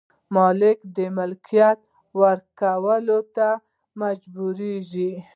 مالک د ملکیت ورکولو ته مجبوریږي.